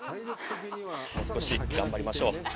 もう少し、頑張りましょう。